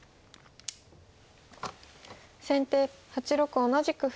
先手８六同じく歩。